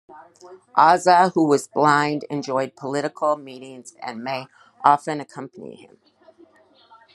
Aza, who was blind, enjoyed political meetings and May often accompanied him.